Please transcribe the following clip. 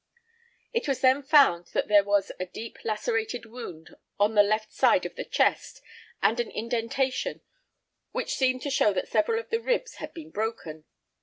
It was then found that there was a deep lacerated wound on the left side of the chest, and an indentation, which seemed to show that several of the ribs had been broken.